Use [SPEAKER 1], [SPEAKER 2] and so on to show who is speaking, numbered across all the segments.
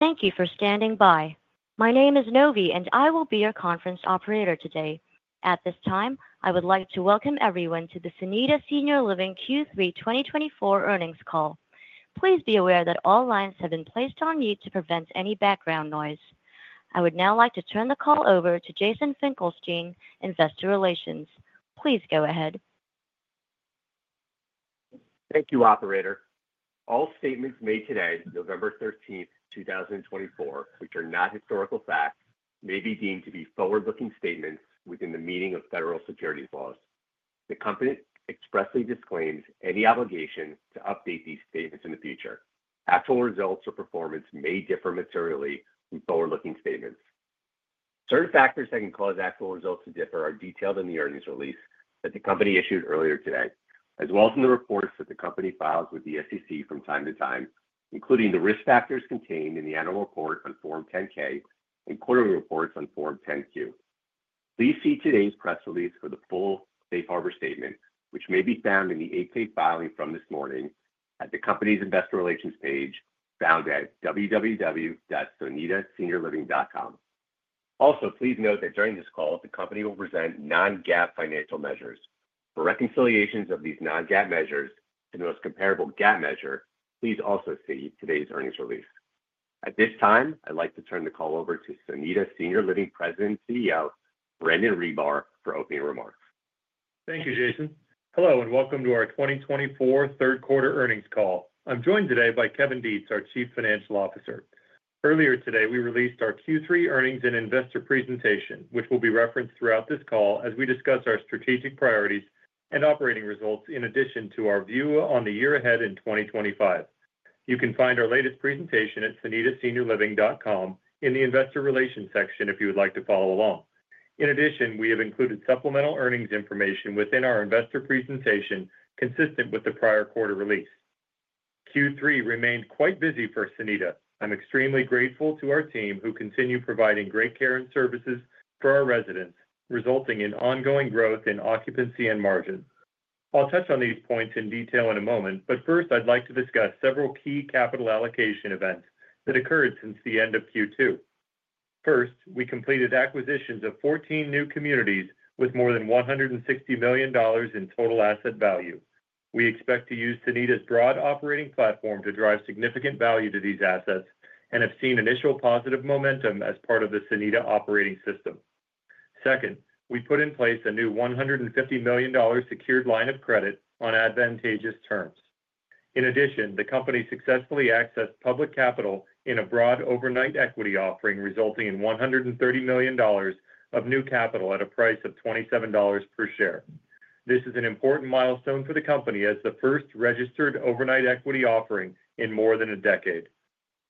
[SPEAKER 1] Thank you for standing by. My name is Novi, and I will be your conference operator today. At this time, I would like to welcome everyone to the Sonida Senior Living Q3 2024 Earnings Call. Please be aware that all lines have been placed on mute to prevent any background noise. I would now like to turn the call over to Jason Finkelstein, Investor Relations. Please go ahead.
[SPEAKER 2] Thank you, Operator. All statements made today, November 13, 2024, which are not historical facts, may be deemed to be forward-looking statements within the meaning of federal securities laws. The company expressly disclaims any obligation to update these statements in the future. Actual results or performance may differ materially from forward-looking statements. Certain factors that can cause actual results to differ are detailed in the earnings release that the company issued earlier today, as well as in the reports that the company files with the SEC from time to time, including the risk factors contained in the annual report on Form 10-K and quarterly reports on Form 10-Q. Please see today's press release for the full Safe Harbor statement, which may be found in the eight-page filing from this morning at the company's Investor Relations page found at www.sonidaseniorliving.com. Also, please note that during this call, the company will present non-GAAP financial measures. For reconciliations of these non-GAAP measures to the most comparable GAAP measure, please also see today's earnings release. At this time, I'd like to turn the call over to Sonida Senior Living President and CEO, Brandon Ribar, for opening remarks.
[SPEAKER 3] Thank you, Jason. Hello, and welcome to our 2024 third quarter earnings call. I'm joined today by Kevin Detz, our Chief Financial Officer. Earlier today, we released our Q3 earnings and investor presentation, which will be referenced throughout this call as we discuss our strategic priorities and operating results in addition to our view on the year ahead in 2025. You can find our latest presentation at sonidaseniorliving.com in the Investor Relations section if you would like to follow along. In addition, we have included supplemental earnings information within our investor presentation consistent with the prior quarter release. Q3 remained quite busy for Sonida. I'm extremely grateful to our team who continue providing great care and services for our residents, resulting in ongoing growth in occupancy and margin. I'll touch on these points in detail in a moment, but first, I'd like to discuss several key capital allocation events that occurred since the end of Q2. First, we completed acquisitions of 14 new communities with more than $160 million in total asset value. We expect to use Sonida's broad operating platform to drive significant value to these assets and have seen initial positive momentum as part of the Sonida operating system. Second, we put in place a new $150 million secured line of credit on advantageous terms. In addition, the company successfully accessed public capital in a broad overnight equity offering, resulting in $130 million of new capital at a price of $27 per share. This is an important milestone for the company as the first registered overnight equity offering in more than a decade.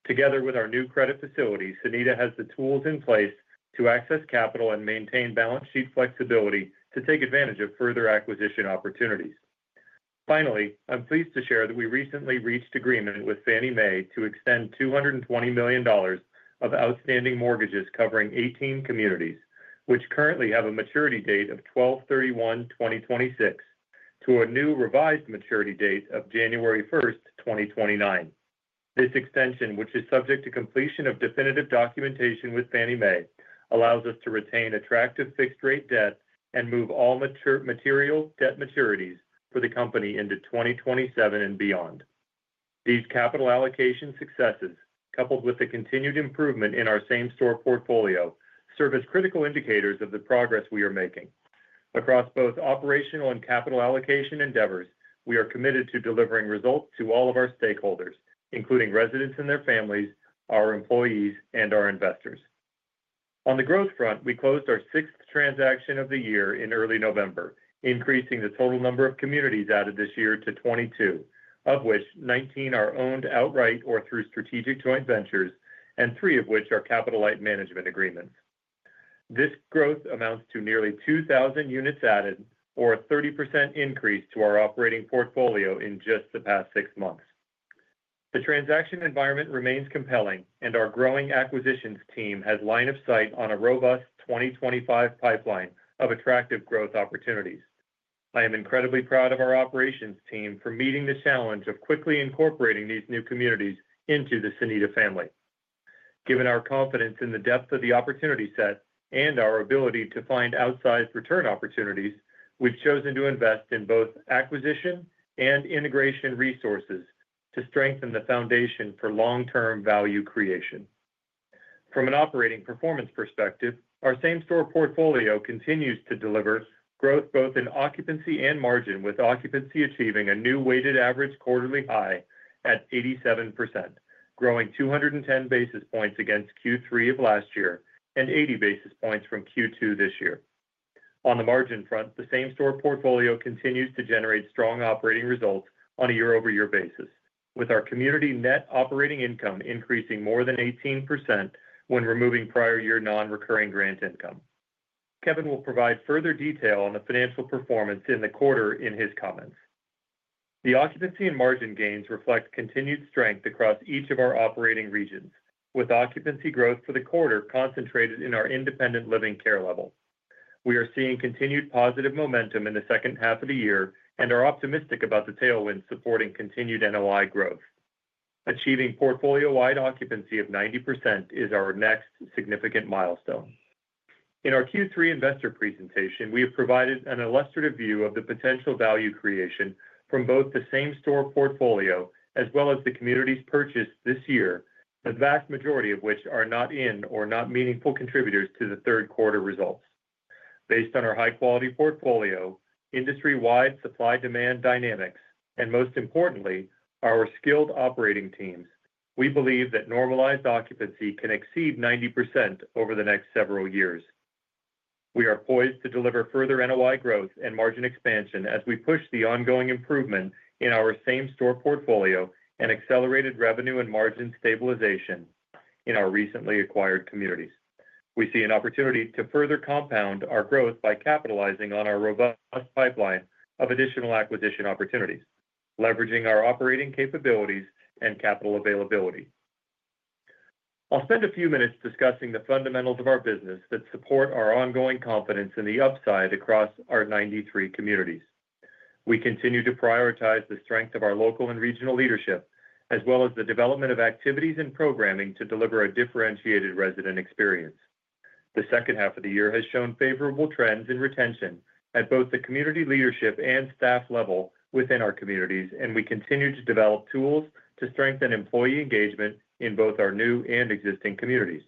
[SPEAKER 3] Together with our new credit facility, Sonida has the tools in place to access capital and maintain balance sheet flexibility to take advantage of further acquisition opportunities. Finally, I'm pleased to share that we recently reached agreement with Fannie Mae to extend $220 million of outstanding mortgages covering 18 communities, which currently have a maturity date of December 31, 2026, to a new revised maturity date of January 1, 2029. This extension, which is subject to completion of definitive documentation with Fannie Mae, allows us to retain attractive fixed-rate debt and move all material debt maturities for the company into 2027 and beyond. These capital allocation successes, coupled with the continued improvement in our same-store portfolio, serve as critical indicators of the progress we are making. Across both operational and capital allocation endeavors, we are committed to delivering results to all of our stakeholders, including residents and their families, our employees, and our investors. On the growth front, we closed our sixth transaction of the year in early November, increasing the total number of communities added this year to 22, of which 19 are owned outright or through strategic joint ventures, and three of which are capital-light management agreements. This growth amounts to nearly 2,000 units added, or a 30% increase to our operating portfolio in just the past six months. The transaction environment remains compelling, and our growing acquisitions team has line of sight on a robust 2025 pipeline of attractive growth opportunities. I am incredibly proud of our operations team for meeting the challenge of quickly incorporating these new communities into the Sonida family. Given our confidence in the depth of the opportunity set and our ability to find outsized return opportunities, we've chosen to invest in both acquisition and integration resources to strengthen the foundation for long-term value creation. From an operating performance perspective, our same-store portfolio continues to deliver growth both in occupancy and margin, with occupancy achieving a new weighted average quarterly high at 87%, growing 210 basis points against Q3 of last year and 80 basis points from Q2 this year. On the margin front, the same-store portfolio continues to generate strong operating results on a year-over-year basis, with our community net operating income increasing more than 18% when removing prior year non-recurring grant income. Kevin will provide further detail on the financial performance in the quarter in his comments. The occupancy and margin gains reflect continued strength across each of our operating regions, with occupancy growth for the quarter concentrated in our independent living care level. We are seeing continued positive momentum in the second half of the year and are optimistic about the tailwinds supporting continued NOI growth. Achieving portfolio-wide occupancy of 90% is our next significant milestone. In our Q3 investor presentation, we have provided an illustrative view of the potential value creation from both the same-store portfolio as well as the communities purchased this year, the vast majority of which are not in or not meaningful contributors to the third quarter results. Based on our high-quality portfolio, industry-wide supply-demand dynamics, and most importantly, our skilled operating teams, we believe that normalized occupancy can exceed 90% over the next several years. We are poised to deliver further NOI growth and margin expansion as we push the ongoing improvement in our same-store portfolio and accelerated revenue and margin stabilization in our recently acquired communities. We see an opportunity to further compound our growth by capitalizing on our robust pipeline of additional acquisition opportunities, leveraging our operating capabilities and capital availability. I'll spend a few minutes discussing the fundamentals of our business that support our ongoing confidence in the upside across our 93 communities. We continue to prioritize the strength of our local and regional leadership, as well as the development of activities and programming to deliver a differentiated resident experience. The second half of the year has shown favorable trends in retention at both the community leadership and staff level within our communities, and we continue to develop tools to strengthen employee engagement in both our new and existing communities.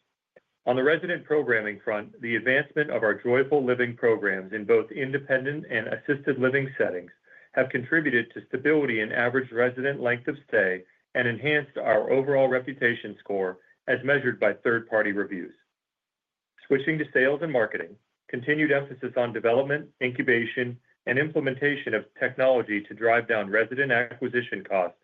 [SPEAKER 3] On the resident programming front, the advancement of our Joyful Living programs in both independent and assisted living settings have contributed to stability in average resident length of stay and enhanced our overall reputation score as measured by third-party reviews. Switching to sales and marketing, continued emphasis on development, incubation, and implementation of technology to drive down resident acquisition costs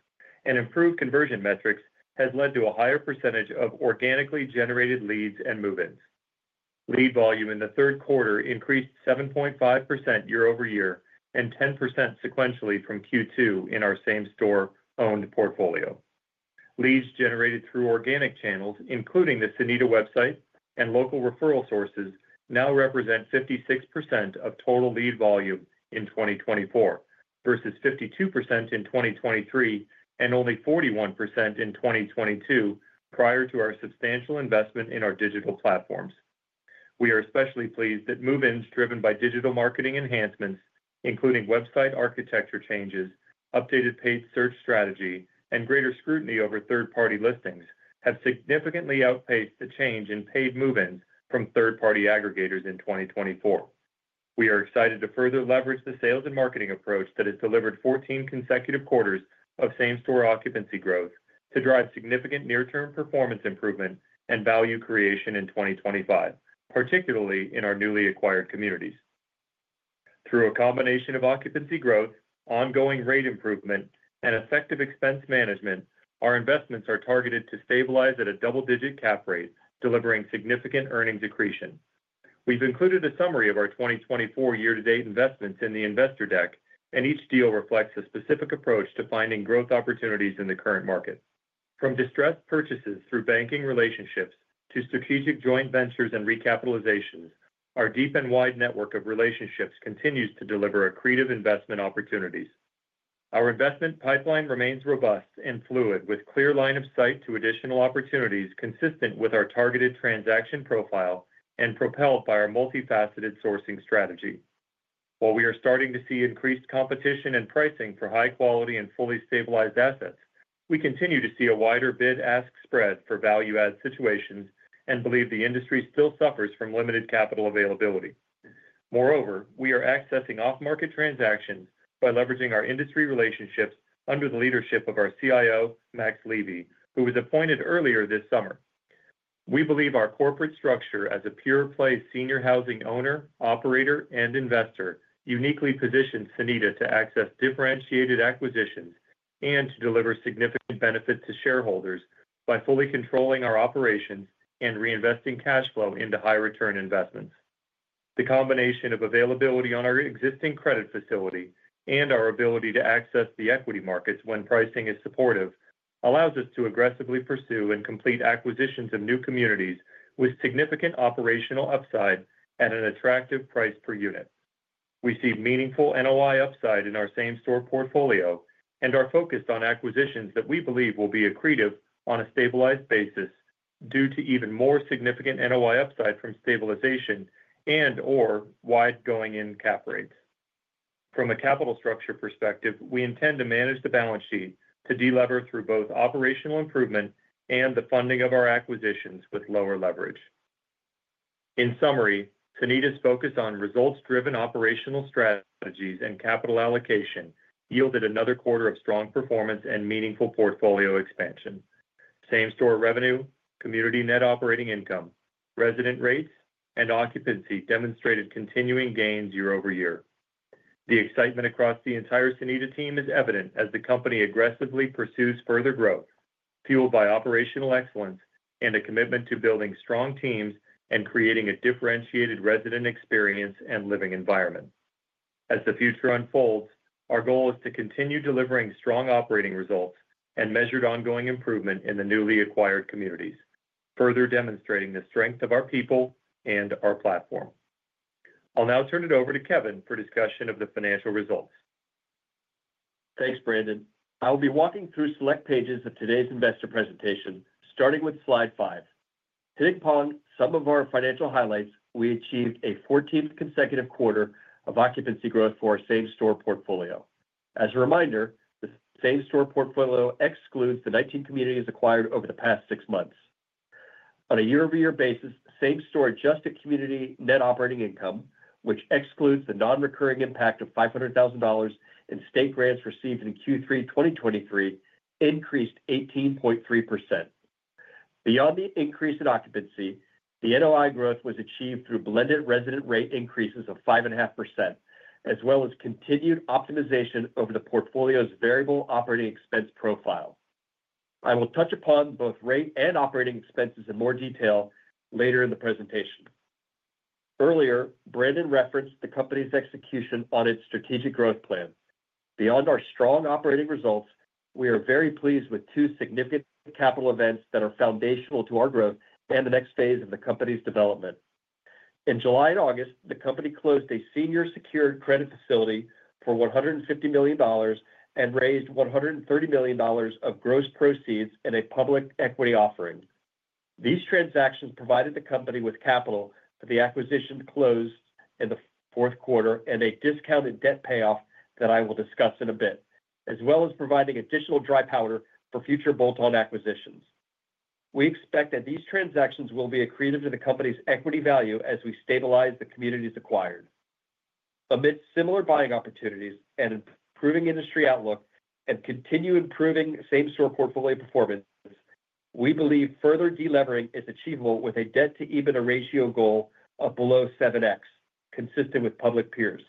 [SPEAKER 3] and improve conversion metrics has led to a higher percentage of organically generated leads and move-ins. Lead volume in the third quarter increased 7.5% year-over-year and 10% sequentially from Q2 in our same-store-owned portfolio. Leads generated through organic channels, including the Sonida website and local referral sources, now represent 56% of total lead volume in 2024 versus 52% in 2023 and only 41% in 2022 prior to our substantial investment in our digital platforms. We are especially pleased that move-ins driven by digital marketing enhancements, including website architecture changes, updated paid search strategy, and greater scrutiny over third-party listings, have significantly outpaced the change in paid move-ins from third-party aggregators in 2024. We are excited to further leverage the sales and marketing approach that has delivered 14 consecutive quarters of same-store occupancy growth to drive significant near-term performance improvement and value creation in 2025, particularly in our newly acquired communities. Through a combination of occupancy growth, ongoing rate improvement, and effective expense management, our investments are targeted to stabilize at a double-digit cap rate, delivering significant earnings accretion. We've included a summary of our 2024 year-to-date investments in the investor deck, and each deal reflects a specific approach to finding growth opportunities in the current market. From distressed purchases through banking relationships to strategic joint ventures and recapitalizations, our deep and wide network of relationships continues to deliver accretive investment opportunities. Our investment pipeline remains robust and fluid, with clear line of sight to additional opportunities consistent with our targeted transaction profile and propelled by our multifaceted sourcing strategy. While we are starting to see increased competition and pricing for high-quality and fully stabilized assets, we continue to see a wider bid-ask spread for value-add situations and believe the industry still suffers from limited capital availability. Moreover, we are accessing off-market transactions by leveraging our industry relationships under the leadership of our CIO, Max Levy, who was appointed earlier this summer. We believe our corporate structure as a pure-play senior housing owner, operator, and investor uniquely positions Sonida to access differentiated acquisitions and to deliver significant benefit to shareholders by fully controlling our operations and reinvesting cash flow into high-return investments. The combination of availability on our existing credit facility and our ability to access the equity markets when pricing is supportive allows us to aggressively pursue and complete acquisitions of new communities with significant operational upside at an attractive price per unit. We see meaningful NOI upside in our same-store portfolio and are focused on acquisitions that we believe will be accretive on a stabilized basis due to even more significant NOI upside from stabilization and/or going-in cap rates. From a capital structure perspective, we intend to manage the balance sheet to delever through both operational improvement and the funding of our acquisitions with lower leverage. In summary, Sonida's focus on results-driven operational strategies and capital allocation yielded another quarter of strong performance and meaningful portfolio expansion. Same-store revenue, community net operating income, resident rates, and occupancy demonstrated continuing gains year-over-year. The excitement across the entire Sonida team is evident as the company aggressively pursues further growth, fueled by operational excellence and a commitment to building strong teams and creating a differentiated resident experience and living environment. As the future unfolds, our goal is to continue delivering strong operating results and measured ongoing improvement in the newly acquired communities, further demonstrating the strength of our people and our platform. I'll now turn it over to Kevin for discussion of the financial results.
[SPEAKER 4] Thanks, Brandon. I'll be walking through select pages of today's investor presentation, starting with slide five. To pick up on some of our financial highlights, we achieved a 14th consecutive quarter of occupancy growth for our same-store portfolio. As a reminder, the same-store portfolio excludes the 19 communities acquired over the past six months. On a year-over-year basis, same-store adjusted community net operating income, which excludes the non-recurring impact of $500,000 in state grants received in Q3 2023, increased 18.3%. Beyond the increase in occupancy, the NOI growth was achieved through blended resident rate increases of 5.5%, as well as continued optimization over the portfolio's variable operating expense profile. I will touch upon both rate and operating expenses in more detail later in the presentation. Earlier, Brandon referenced the company's execution on its strategic growth plan. Beyond our strong operating results, we are very pleased with two significant capital events that are foundational to our growth and the next phase of the company's development. In July and August, the company closed a senior secured credit facility for $150 million and raised $130 million of gross proceeds in a public equity offering. These transactions provided the company with capital for the acquisition closed in the fourth quarter and a discounted debt payoff that I will discuss in a bit, as well as providing additional dry powder for future bolt-on acquisitions. We expect that these transactions will be accretive to the company's equity value as we stabilize the communities acquired. Amidst similar buying opportunities and improving industry outlook and continued improving same-store portfolio performance, we believe further delevering is achievable with a debt-to-EBITDA ratio goal of below 7x, consistent with public peers.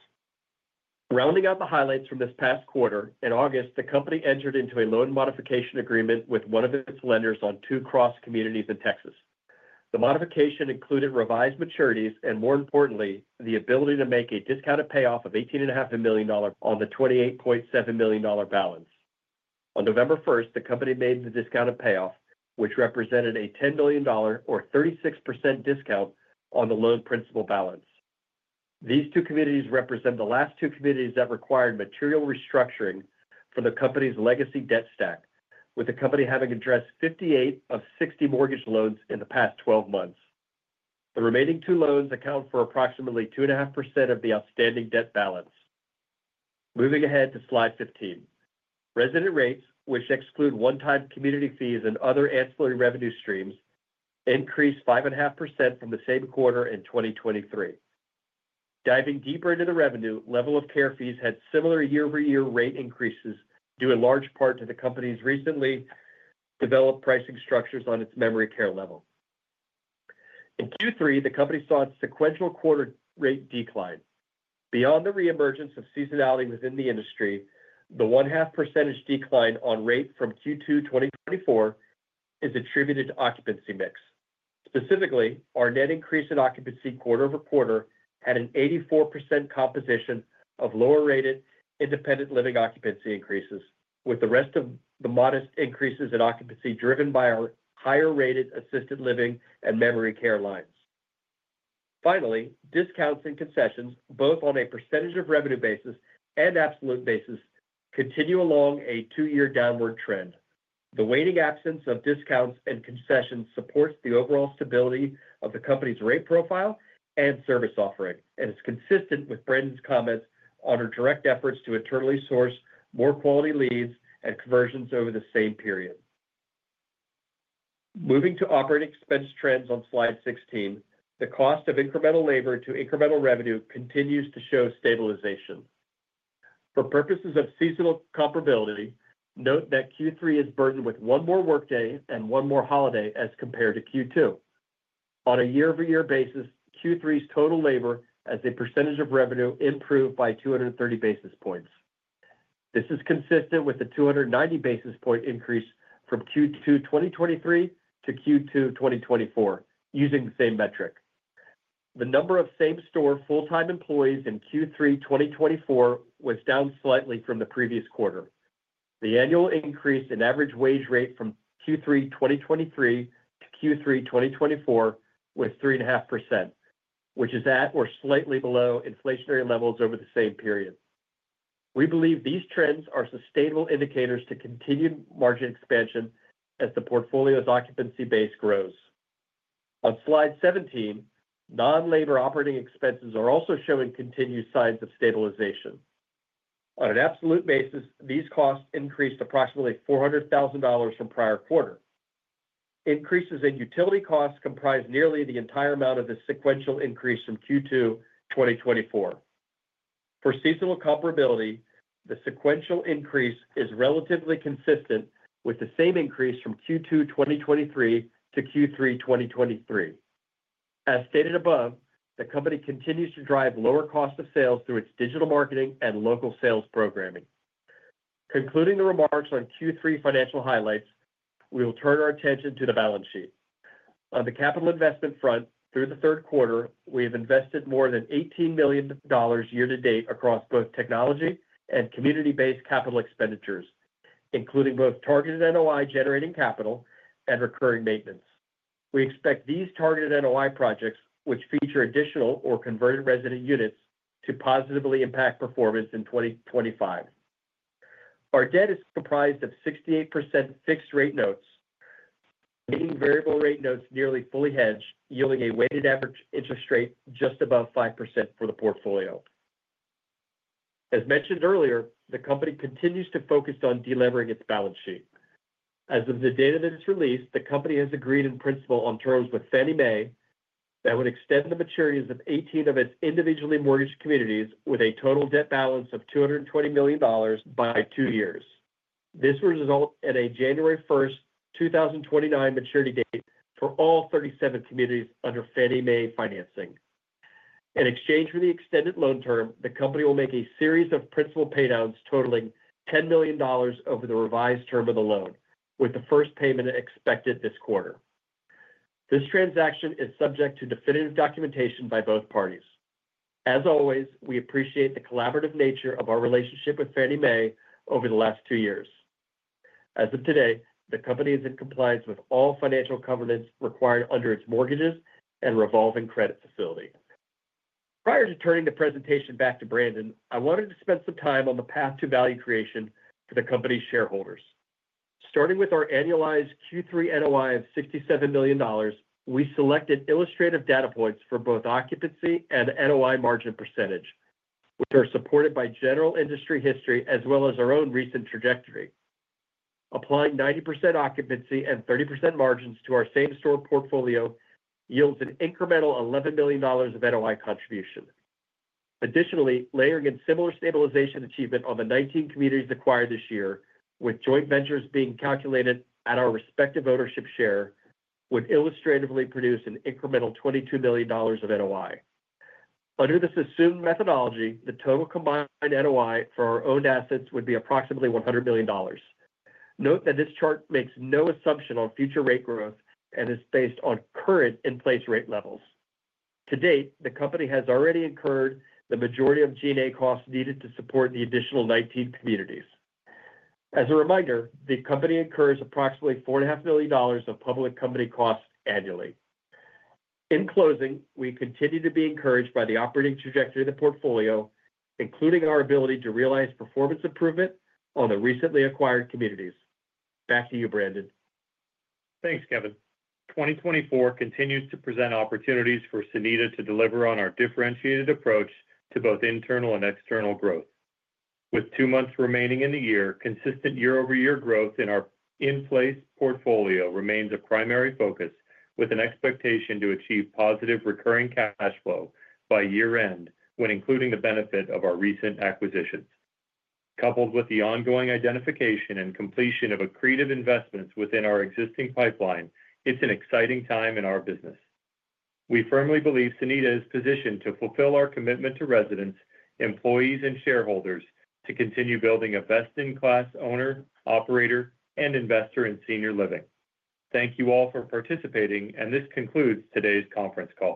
[SPEAKER 4] Rounding out the highlights from this past quarter, in August, the company entered into a loan modification agreement with one of its lenders on two cross-communities in Texas. The modification included revised maturities and, more importantly, the ability to make a discounted payoff of $18.5 million on the $28.7 million balance. On November 1st, the company made the discounted payoff, which represented a $10 million, or 36% discount, on the loan principal balance. These two communities represent the last two communities that required material restructuring for the company's legacy debt stack, with the company having addressed 58 of 60 mortgage loans in the past 12 months. The remaining two loans account for approximately 2.5% of the outstanding debt balance. Moving ahead to slide 15, resident rates, which exclude one-time community fees and other ancillary revenue streams, increased 5.5% from the same quarter in 2023. Diving deeper into the revenue, level of care fees had similar year-over-year rate increases due in large part to the company's recently developed pricing structures on its memory care level. In Q3, the company saw a sequential quarter rate decline. Beyond the reemergence of seasonality within the industry, the 1.5% decline on rate from Q2 2024 is attributed to occupancy mix. Specifically, our net increase in occupancy quarter over quarter had an 84% composition of lower-rated independent living occupancy increases, with the rest of the modest increases in occupancy driven by our higher-rated assisted living and memory care lines. Finally, discounts and concessions, both on a percentage of revenue basis and absolute basis, continue along a two-year downward trend. The waning absence of discounts and concessions supports the overall stability of the company's rate profile and service offering and is consistent with Brandon's comments on our direct efforts to internally source more quality leads and conversions over the same period. Moving to operating expense trends on slide 16, the cost of incremental labor to incremental revenue continues to show stabilization. For purposes of seasonal comparability, note that Q3 is burdened with one more workday and one more holiday as compared to Q2. On a year-over-year basis, Q3's total labor as a percentage of revenue improved by 230 basis points. This is consistent with the 290 basis point increase from Q2 2023 to Q2 2024 using the same metric. The number of same-store full-time employees in Q3 2024 was down slightly from the previous quarter. The annual increase in average wage rate from Q3 2023 to Q3 2024 was 3.5%, which is at or slightly below inflationary levels over the same period. We believe these trends are sustainable indicators to continued margin expansion as the portfolio's occupancy base grows. On slide 17, non-labor operating expenses are also showing continued signs of stabilization. On an absolute basis, these costs increased approximately $400,000 from prior quarter. Increases in utility costs comprise nearly the entire amount of the sequential increase from Q2 2024. For seasonal comparability, the sequential increase is relatively consistent with the same increase from Q2 2023 to Q3 2023. As stated above, the company continues to drive lower cost of sales through its digital marketing and local sales programming. Concluding the remarks on Q3 financial highlights, we will turn our attention to the balance sheet. On the capital investment front, through the third quarter, we have invested more than $18 million year-to-date across both technology and community-based capital expenditures, including both targeted NOI generating capital and recurring maintenance. We expect these targeted NOI projects, which feature additional or converted resident units, to positively impact performance in 2025. Our debt is comprised of 68% fixed-rate notes, meaning variable-rate notes nearly fully hedged, yielding a weighted average interest rate just above 5% for the portfolio. As mentioned earlier, the company continues to focus on delivering its balance sheet. As of the data that is released, the company has agreed in principle on terms with Fannie Mae that would extend the maturities of 18 of its individually mortgaged communities with a total debt balance of $220 million by two years. This will result in a January 1st, 2029 maturity date for all 37 communities under Fannie Mae financing. In exchange for the extended loan term, the company will make a series of principal paydowns totaling $10 million over the revised term of the loan, with the first payment expected this quarter. This transaction is subject to definitive documentation by both parties. As always, we appreciate the collaborative nature of our relationship with Fannie Mae over the last two years. As of today, the company is in compliance with all financial covenants required under its mortgages and revolving credit facility. Prior to turning the presentation back to Brandon, I wanted to spend some time on the path to value creation for the company's shareholders. Starting with our annualized Q3 NOI of $67 million, we selected illustrative data points for both occupancy and NOI margin percentage, which are supported by general industry history as well as our own recent trajectory. Applying 90% occupancy and 30% margins to our same-store portfolio yields an incremental $11 million of NOI contribution. Additionally, layering in similar stabilization achievement on the 19 communities acquired this year, with joint ventures being calculated at our respective ownership share, would illustratively produce an incremental $22 million of NOI. Under this assumed methodology, the total combined NOI for our owned assets would be approximately $100 million. Note that this chart makes no assumption on future rate growth and is based on current in-place rate levels. To date, the company has already incurred the majority of G&A costs needed to support the additional 19 communities. As a reminder, the company incurs approximately $4.5 million of public company costs annually. In closing, we continue to be encouraged by the operating trajectory of the portfolio, including our ability to realize performance improvement on the recently acquired communities.
[SPEAKER 3] Back to you, Brandon. Thanks, Kevin. 2024 continues to present opportunities for Sonida to deliver on our differentiated approach to both internal and external growth. With two months remaining in the year, consistent year-over-year growth in our in-place portfolio remains a primary focus, with an expectation to achieve positive recurring cash flow by year-end when including the benefit of our recent acquisitions. Coupled with the ongoing identification and completion of accretive investments within our existing pipeline, it's an exciting time in our business. We firmly believe Sonida is positioned to fulfill our commitment to residents, employees, and shareholders to continue building a best-in-class owner, operator, and investor in senior living. Thank you all for participating, and this concludes today's conference call.